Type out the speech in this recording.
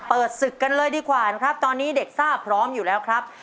ศึกกันเลยดีกว่านะครับตอนนี้เด็กซ่าพร้อมอยู่แล้วครับ